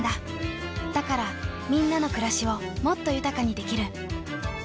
だからみんなの暮らしをもっと豊かにできる。